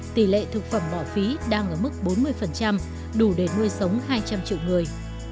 tỷ lệ thực phẩm bỏ phí đang ở mức bốn mươi đủ để nuôi sống hai trăm linh triệu người